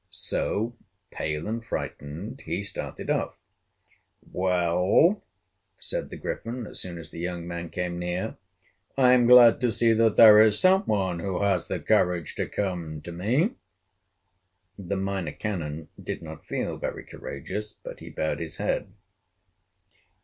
So, pale and frightened, he started off. "Well," said the Griffin, as soon as the young man came near, "I am glad to see that there is some one who has the courage to come to me." The Minor Canon did not feel very courageous, but he bowed his head.